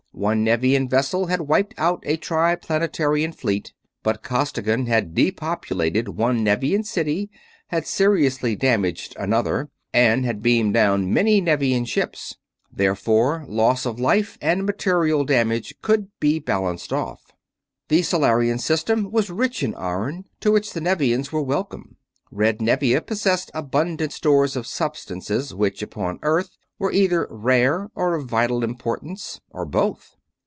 One Nevian vessel had wiped out a Triplanetarian fleet; but Costigan had depopulated one Nevian city, had seriously damaged another, and had beamed down many Nevian ships. Therefore loss of life and material damage could be balanced off. The Solarian System was rich in iron, to which the Nevians were welcome; red Nevia possessed abundant stores of substances which upon Earth were either rare or of vital importance, or both.